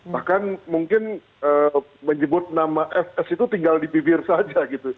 bahkan mungkin menyebut nama fs itu tinggal di bibir saja gitu